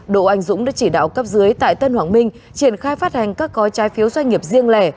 đỗ anh dũng đã chỉ đạo cấp dưới tại tân hoàng minh triển khai phát hành các gói trái phiếu doanh nghiệp riêng lẻ